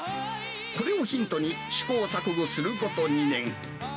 これをヒントに、試行錯誤すること２年。